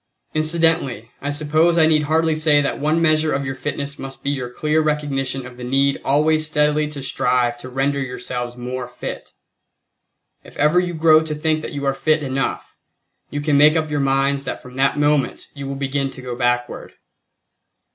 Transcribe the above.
Incidentally, I suppose I need hardly say that one measure of your fitness must be your clear recognition of the need always steadily to strive to render yourselves more fit; if you ever grow to think that you are fit enough, you can make up your minds that from that moment you will begin to go backward.